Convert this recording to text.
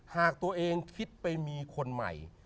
หากตัวเองคิดไปมีคนใหม่